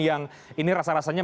yang ini rasa rasanya